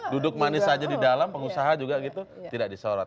duduk manis saja di dalam pengusaha juga gitu tidak disorot